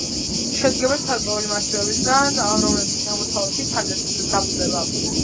შედგება ცალკეული მასივებისაგან, რომლებიც აღმოსავლეთით თანდათან დაბლდება.